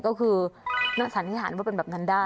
ก็คือสัญญาณว่าเป็นแบบนั้นได้